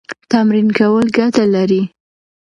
تمرین کول ګټه لري.